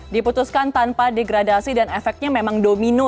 diputuskan tanpa degradasi dan efeknya memang domino